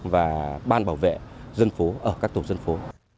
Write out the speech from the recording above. và ban bảo vệ dân phố ở các tổ dân phố